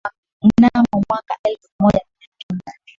mnamo mwaka elfu moja mia kenda